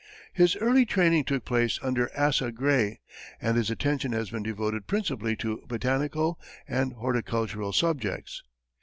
His early training took place under Asa Gray, and his attention has been devoted principally to botanical and horticultural subjects.